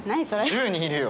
１０人いるよ。